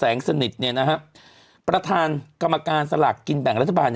เขาเปิดเผยถึงความคืบหน้าการแก้ไขปัญหาการจำหน่ายสลากกินแบ่งรัฐบาล